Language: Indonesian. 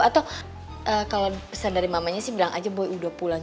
atau kalau pesan dari mamanya sih bilang aja boy udah pulang